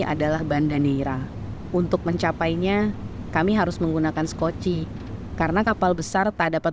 adalah banda neira untuk mencapainya kami harus menggunakan skoci karena kapal besar tak dapat